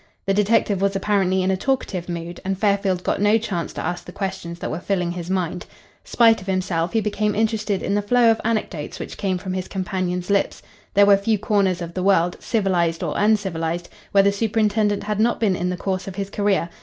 The detective was apparently in a talkative mood, and Fairfield got no chance to ask the questions that were filling his mind. Spite of himself he became interested in the flow of anecdotes which came from his companion's lips. There were few corners of the world, civilised or uncivilised, where the superintendent had not been in the course of his career.